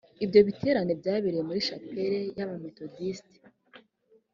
ibyo biterane byabereye muri shapeli y abametodisiti